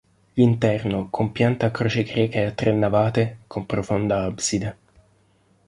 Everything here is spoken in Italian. L'interno, con pianta a croce greca e a tre navate, con profonda abside.